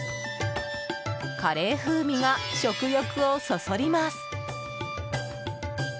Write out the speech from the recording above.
カレー風味が食欲をそそります。